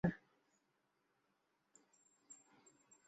দেখতেই পাচ্ছি এটা কাজ করছে না।